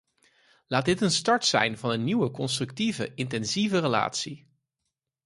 Laat dit een start zijn van een nieuwe, constructieve, intensieve relatie.